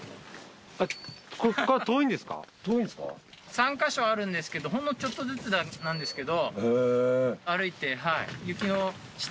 ３か所あるんですけどほんのちょっとずつなんですけど。